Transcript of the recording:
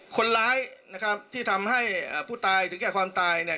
คนร้ายนะครับที่ทำให้ผู้ตายถึงแก่ความตายเนี่ย